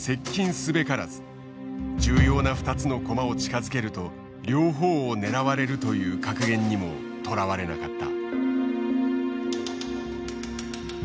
重要な２つの駒を近づけると両方を狙われるという格言にもとらわれなかった。